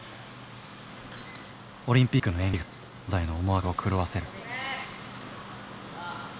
オリンピックの延期が兄弟の思惑を狂わせる。